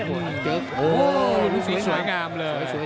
ว้าวมันสวยงามเลย